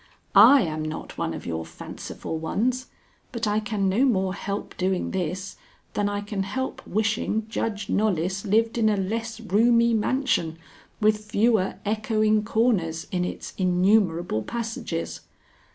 I am not one of your fanciful ones; but I can no more help doing this, than I can help wishing Judge Knollys lived in a less roomy mansion with fewer echoing corners in its innumerable passages.